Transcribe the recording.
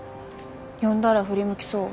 呼んだら振り向きそう。